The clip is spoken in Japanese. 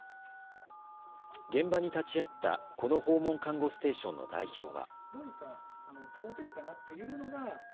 現場に立ち会ったこの訪問看護ステーションの代表は。